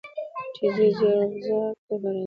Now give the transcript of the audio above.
چې ځې ځې ابازو ته به راځې